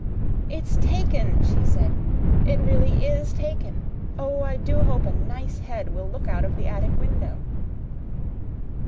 "It's taken!" she said. "It really IS taken! Oh, I do hope a nice head will look out of the attic window!"